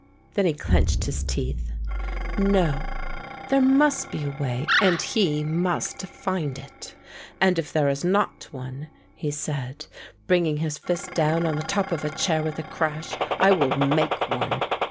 Then he clenched his teeth. No. There must be a way and he must find it: "And if there is not one," he said, bringing his fist down on the top of a chair with a crash, "I will make one."